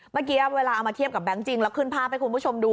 เมื่อกี้เวลาเอามาเทียบกับแบงค์จริงแล้วขึ้นภาพให้คุณผู้ชมดู